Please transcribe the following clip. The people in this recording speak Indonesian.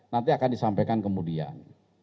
nanti akan disampaikan kemudian